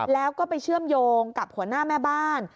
แล้วก็ไปเชื่อมโยงกับหัวหน้าแม่บ้าน